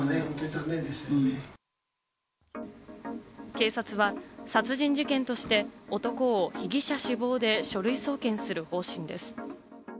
警察は殺人事件として、男を被疑者死亡で書類送検する方針です。